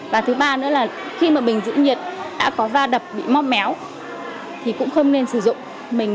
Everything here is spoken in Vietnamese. và thứ ba nữa là khi mà bình giữ nhiệt đã có va đập bị móc méo thì cũng không nên sử dụng mình